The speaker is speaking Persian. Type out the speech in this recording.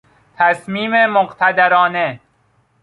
تصمیم مقتدرانه